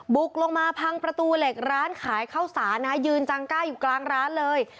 บุกลงมาพังประตูเหล็กร้านขายข้าวสารนะยืนจังก้าอยู่กลางร้านเลย